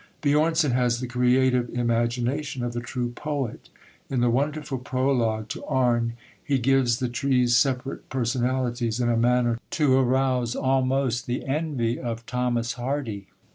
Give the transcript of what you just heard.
Björnson has the creative imagination of the true poet. In the wonderful prologue to Arne he gives the trees separate personalities, in a manner to arouse almost the envy of Thomas Hardy.